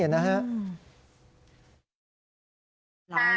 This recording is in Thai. ใช่ต้องการตามหาคนร้าย